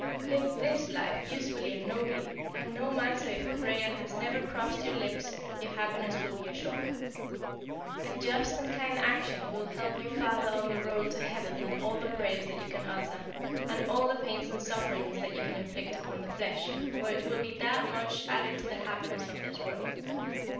Live this life usefully and nobly, and no matter if a prayer has never crossed your lips your happiness will be assured. A just and kind action will help you farther on the road to heaven than all the prayers that you can utter, and all the pains and sufferings that you can inflict upon the flesh, for it will be that much added to the happiness of this world.